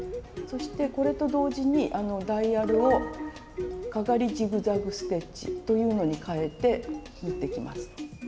そしてこれと同時にダイヤルをかがりジグザグステッチというのに変えて縫っていきます。